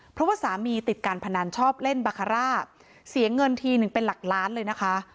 เพราะว่าสามีติดการพนันชอบเล่นบาคาร่าเสียเงินทีหนึ่งเป็นหลักล้านเลยนะคะ